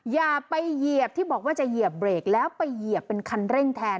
อย่าไปเหยียบที่บอกว่าจะเหยียบเบรกแล้วไปเหยียบเป็นคันเร่งแทน